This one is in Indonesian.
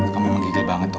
kamu memang gigil banget tuh